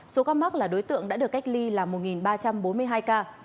số ca mắc là đối tượng đã được cách ly là một ba trăm bốn mươi hai ca